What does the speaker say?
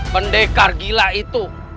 bendekar gila itu